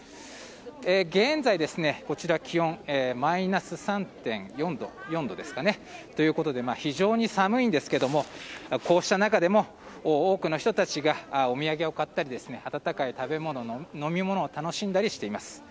現在、こちらの気温はマイナス３．４度ということで非常に寒いんですがこうした中でも多くの人たちがお土産を買ったり温かい食べ物、飲み物を楽しんだりしています。